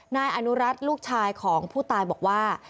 นายอนุรัติลูกชายของผู้ตายบอกว่า